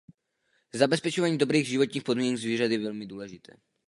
Zabezpečování dobrých životních podmínek zvířat je velmi důležité.